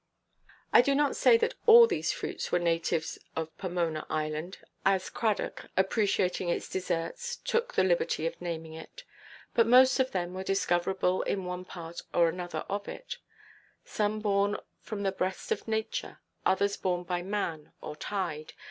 I do not say that all these fruits were natives of "Pomona Island," as Cradock, appreciating its desserts, took the liberty of naming it; but most of them were discoverable in one part or another of it; some born from the breast of nature, others borne by man or tide.